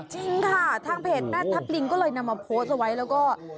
จริงค่ะทางเพจแม่ทัพลิงก็เลยนำมาโพสต์เอาไว้แล้วก็